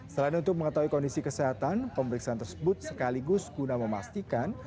selain untuk mengetahui kondisi kesehatan pemeriksaan tersebut sekaligus guna memastikan